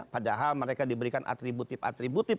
padahal mereka diberikan atributif atributif